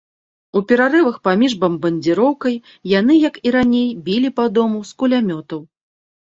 У перарывах паміж бамбардзіроўкай яны, як і раней, білі па дому з кулямётаў.